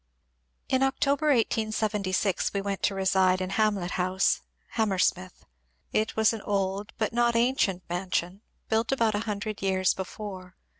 Ik October, 1876, we went to reside in Hamlet Honse, Ham mersmith. It was an old bnt not ancient mansion, built about a hundred years before.